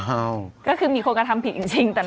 อ้าวก็คือมีโครงการทำผิดจริงจริงแต่นะ